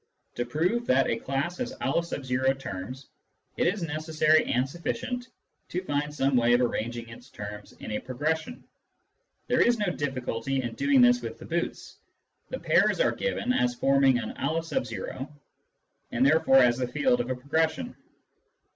To prove that a class has M terms, it is necessary and sufficient to find some way of arranging its terms in a progression. There is no difficulty in doing this with the boots. The pairs are given as forming an N , and therefore as the field of a progression.